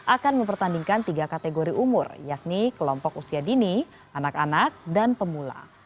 akan mempertandingkan tiga kategori umur yakni kelompok usia dini anak anak dan pemula